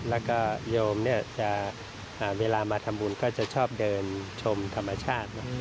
แล้วก็โยมเนี่ยจะเวลามาทำบุญก็ชอบกับเดินชมธรรมชาติ